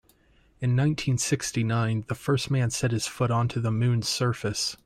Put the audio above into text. In nineteen-sixty-nine the first man set his foot onto the moon's surface.